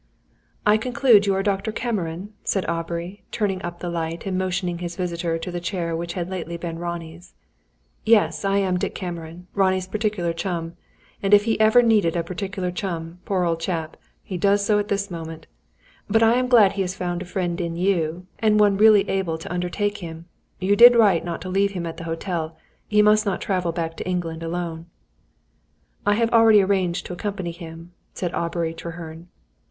"I conclude you are Dr. Cameron," said Aubrey, turning up the light, and motioning his visitor to the chair which had lately been Ronnie's. "Yes, I am Dick Cameron, Ronnie's particular chum; and if ever he needed a particular chum, poor old chap, he does so at this moment. But I am glad he has found a friend in you, and one really able to undertake him. You did right not to leave him at the hotel; and he must not travel back to England alone." "I have already arranged to accompany him," said Aubrey Treherne.